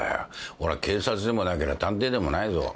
俺は警察でもなけりゃ探偵でもないぞ。